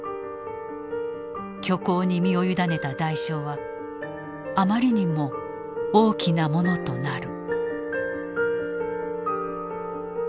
虚構に身を委ねた代償はあまりにも大きなものとなる。